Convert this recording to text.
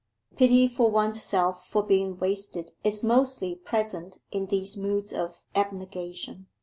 Pity for one's self for being wasted is mostly present in these moods of abnegation.